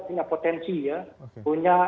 punya potensi ya punya